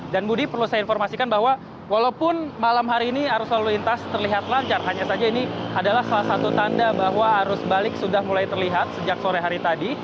dan budi perlu saya informasikan bahwa walaupun malam hari ini arus lalu lintas terlihat lancar hanya saja ini adalah salah satu tanda bahwa arus balik sudah mulai terlihat sejak sore hari tadi